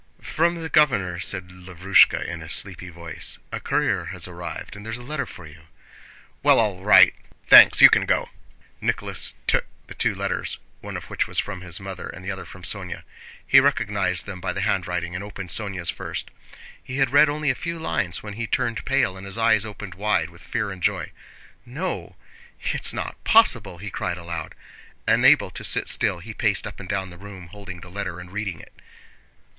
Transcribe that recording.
"From the governor," said Lavrúshka in a sleepy voice. "A courier has arrived and there's a letter for you." "Well, all right, thanks. You can go!" Nicholas took the two letters, one of which was from his mother and the other from Sónya. He recognized them by the handwriting and opened Sónya's first. He had read only a few lines when he turned pale and his eyes opened wide with fear and joy. "No, it's not possible!" he cried aloud. Unable to sit still he paced up and down the room holding the letter and reading it.